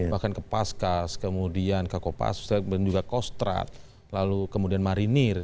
bahkan ke paskas kemudian ke kopassus kemudian juga kostrat lalu kemudian marinir